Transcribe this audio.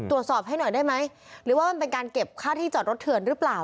ตรวจสอบให้หน่อยได้ไหมหรือว่ามันเป็นการเก็บค่าที่จอดรถเถื่อนหรือเปล่า